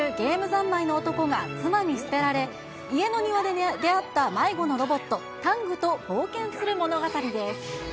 ざんまいの男が妻に捨てられ、家の庭で出会った迷子のロボット、タングと冒険する物語です。